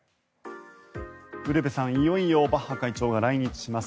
ウルヴェさん、いよいよバッハ会長が来日します。